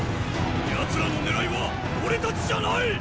奴らの狙いは俺たちじゃない！